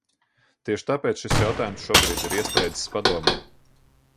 Tieši tāpēc šis jautājums šobrīd ir iestrēdzis Padomē.